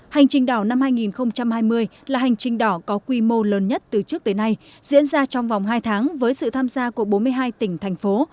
hành trình đỏ năm hai nghìn hai mươi là hành trình đỏ có quy mô lớn nhất từ trước tới nay diễn ra trong vòng hai tháng với sự tham gia của bốn mươi hai tỉnh thành phố